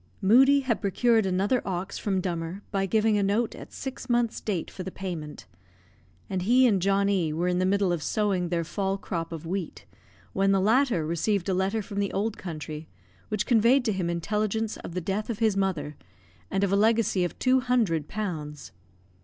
Moodie had procured another ox from Dummer, by giving a note at six months date for the payment; and he and John E were in the middle of sowing their fall crop of wheat, when the latter received a letter from the old country, which conveyed to him intelligence of the death of his mother, and of a legacy of two hundred pounds.